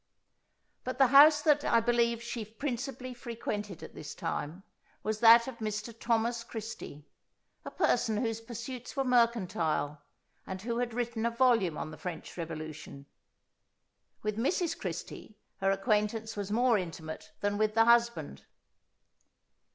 But the house that, I believe, she principally frequented at this time, was that of Mr. Thomas Christie, a person whose pursuits were mercantile, and who had written a volume on the French revolution. With Mrs. Christie her acquaintance was more intimate than with the husband.